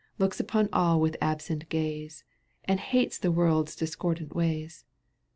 217 Looks upon аД with absent gaze >v '^. And hates the world's discordant ways.